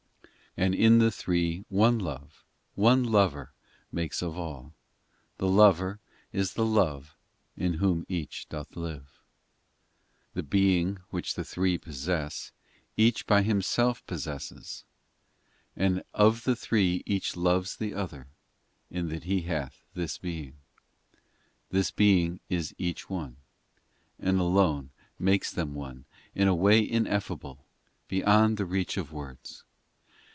VIII And in the Three one Love, One Lover makes of All ; The Lover is the Love In Whom Each doth live. IX The Being which the Three possess Each by Himself possesses, And of the three Each loves the other In that He hath this Being. 278 POEMS x This Being is Each One, And alone makes Them One In a way ineffable, Beyond the reach of words.